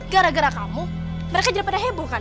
gara gara kamu mereka jadi pada heboh kan